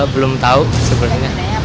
belum tahu sebenarnya